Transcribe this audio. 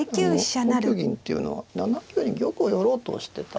５九銀っていうのは７九に玉を寄ろうとしてたんですね。